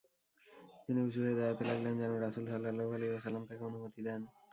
তিনি উঁচু হয়ে দাঁড়াতে লাগলেন, যেন রাসূল সাল্লাল্লাহু আলাইহি ওয়াসাল্লাম তাঁকে অনুমতি দেন।